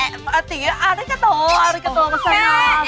แอบอาติอาริกาโตอาริกาโตมาสร้าง